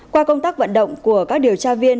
qua công tác vận động của các điều tra viên